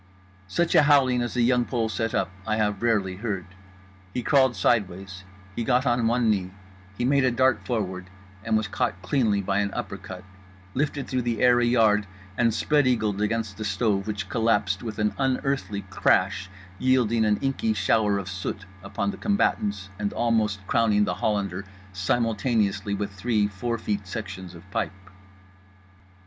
Such a howling as The Young Pole set up I have rarely heard: he crawled sideways; he got on one knee; he made a dart forward—and was caught cleanly by an uppercut, lifted through the air a yard, and spread eagled against the stove which collapsed with an unearthly crash yielding an inky shower of soot upon the combatants and almost crowning The Hollander simultaneously with three four feet sections of pipe.